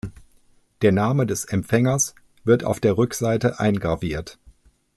Der Name des Empfängers wird auf der Rückseite eingraviert.